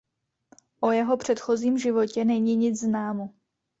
O jeho předchozím životě není nic známo.